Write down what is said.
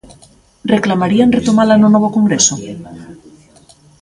Reclamarían retomala no novo Congreso?